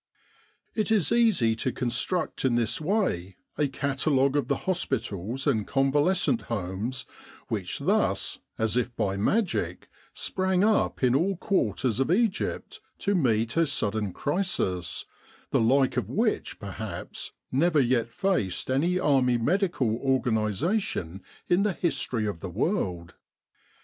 It is easy to construct in this way a catalogue of the hospitals and convalescent homes which thus, as if by magic, sprang up in all quarters of Egypt to meet a sudden crisis, the like of which perhaps never yet faced any Army Medical organisation in the history of the world.